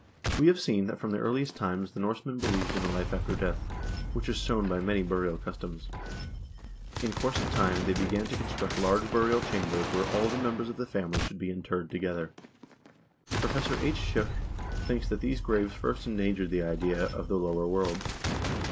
We have seen that from the earliest times the Norsemen believed in a life after death, which is shown by many burial customs. In course of time they began to construct large burial chambers where all the members of the family could be interred together. Professor H. Schuck thinks that these graves first engendered the idea of the lower world.